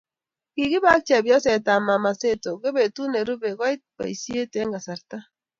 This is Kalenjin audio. Kikibe ak chepyosetab maama sotto kobetut nerubei koit boisiet eng kasarta